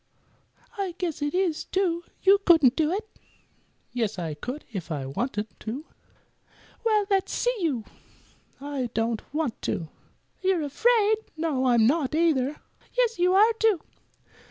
"I guess it is, too. You couldn't do it." "Yes, I could, if I wanted to." "Well, let's see you." "I don't want to." "You're afraid." "No, I'm not, either." "Yes, you are, too."